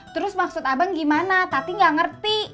terus maksud abang gimana tati gak ngerti